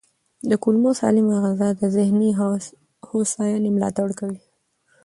د کولمو سالمه غذا د ذهني هوساینې ملاتړ کوي.